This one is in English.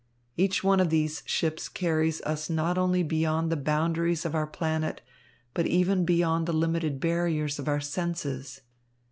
Each one of these ships carries us not only beyond the boundaries of our planet, but even beyond the limited barriers of our senses.